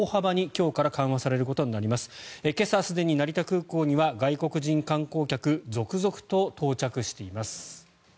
今朝、すでに成田空港には外国人観光客続々と到着しています。